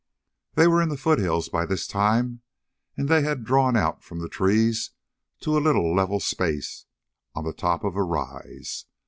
They were in the foothills by this time, and they had drawn out from the trees to a little level space on the top of a rise.